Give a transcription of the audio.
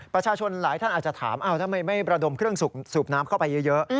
ประชาชนหลายท่านอาจจะถามทำไมไม่ระดมเครื่องสูบน้ำเข้าไปเยอะ